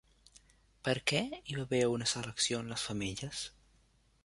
Per què hi va haver una selecció en les femelles?